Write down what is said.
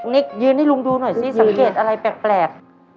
นิกยืนให้ลุงดูหน่อยซิสังเกตอะไรแปลก